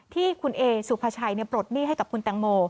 ที่คุณเอสุภาชัยปลดหนี้ให้กับคุณแตงโม